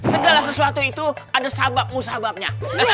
segala sesuatu itu ada sabab musababnya